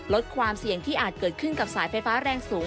ลดความเสี่ยงที่อาจเกิดขึ้นกับสายไฟฟ้าแรงสูง